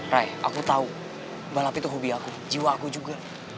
ray aku tahu balap itu hobi aku jiwa aku juga